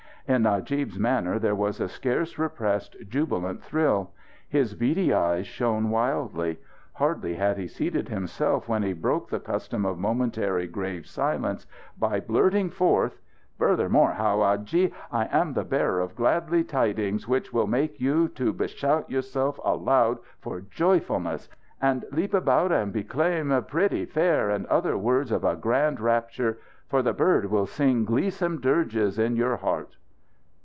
In Najib's manner there was a scarce repressed jubilant thrill. His beady eyes shone wildly. Hardly had he seated himself when he broke the custom of momentary grave silence by blurting forth: "Furthermore, howadji, I am the bearer of gladly tidings which will make you to beshout yourself aloud for joyfulness and leap about and besclaim: 'Pretty fair!' and other words of a grand rapture. For the bird will sing gleesome dirges in your heart!"